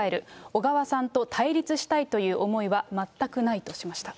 小川さんと対立したいという思いは全くないとしました。